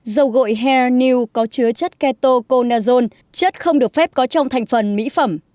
dầu gội henil có chứa chất ketoconazone chất không được phép có trong thành phần mỹ phẩm